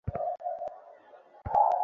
মহিলাটি গোল্ড প্ল্যানে আগ্রহী ছিলো।